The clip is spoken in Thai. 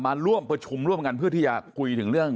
มาร่วมประชุมร่วมกันเพื่อที่จะคุยถึงเรื่อง